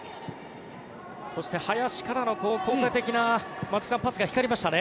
そして、林からの効果的なパスが光りましたね。